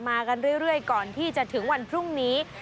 มากันเรื่อยก่อนที่จะถึงวันพรุ่งนี้